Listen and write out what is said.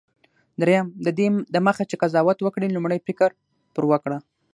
دریم: ددې دمخه چي قضاوت وکړې، لومړی فکر پر وکړه.